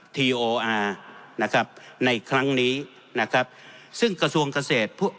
ทีโออาร์นะครับในครั้งนี้นะครับซึ่งกระทรวงเกษตรผู้